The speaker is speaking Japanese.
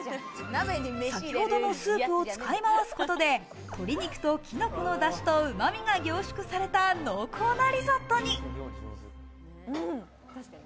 先ほどのスープを使い回すことで鶏肉とキノコのだしと、うま味が凝縮された濃厚なリゾットに。